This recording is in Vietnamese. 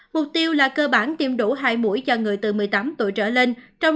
mục tiêu là cơ bản tiêm đủ hai mũi cho người từ một mươi tám tuổi trở lên